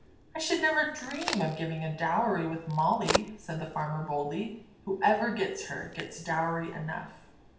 "I should never dream of giving a dowry with Molly," said the farmer, boldly. "Whoever gets her, gets dowry enough.